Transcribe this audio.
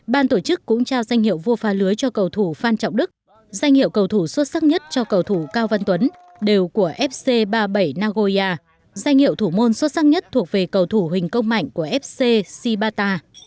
ban tổ chức cũng trao danh hiệu vua phá lưới cho cầu thủ phan trọng đức danh hiệu cầu thủ xuất sắc nhất cho cầu thủ cao văn tuấn đều của fc ba mươi bảy nagoya danh hiệu thủ môn xuất sắc nhất thuộc về cầu thủ hình công mạnh của fc sibata